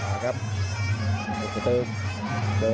สวัสดิ์นุ่มสตึกชัยโลธสวัสดิ์